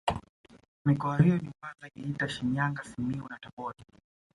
Mikoa hiyo ni Mwanza Geita Shinyanga Simiyu na Tabora